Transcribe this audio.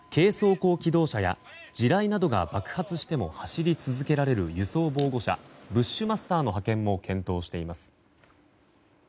甲機動車や地雷などが爆発しても走り続けられる輸送防護車ブッシュマスターの派遣も検討しています。